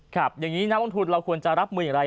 อย่างนี้นักลงทุนเราควรจะรับมืออย่างไร